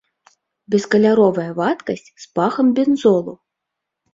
Бескаляровая вадкасць з пахам бензолу.